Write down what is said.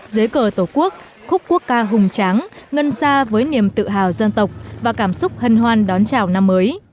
dưới cờ tổ quốc khúc quốc ca hùng tráng ngân xa với niềm tự hào dân tộc và cảm xúc hân hoan đón chào năm mới